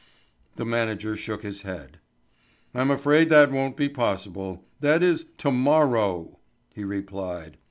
The manager shook his head. "I'm afraid that won't be possible—that is tomorrow," he replied.